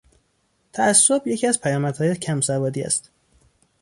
تعصب یکی از پیامدهای کم سوادی است.